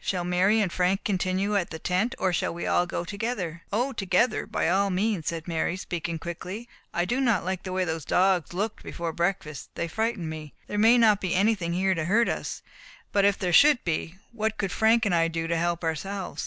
Shall Mary and Frank continue at the tent, or shall we all go together?" "O together, by all means," said Mary, speaking quickly. "I do not like the way those dogs looked before breakfast; they frightened me. There may not be anything here to hurt us, but if there should be, what could Frank and I do to help ourselves?"